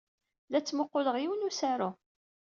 La ttmuqquleɣ yiwen n usaru.